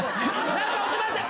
何か落ちましたよ。